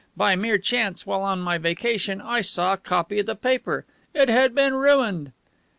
By mere chance, while on my vacation, I saw a copy of the paper. It had been ruined."